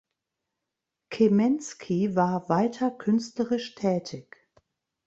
Kemenski war weiter künstlerisch tätig.